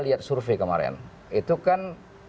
lihat survei kemarin itu kan